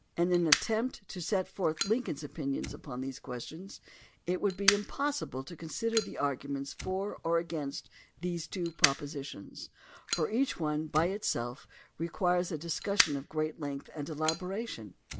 In an attempt to set forth Lincoln's opinions upon these questions it would be impossible to consider the arguments for or against these two propositions, for each one by itself requires a discussion of great length and elaboration.